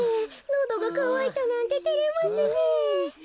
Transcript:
のどがかわいたなんててれますねえ。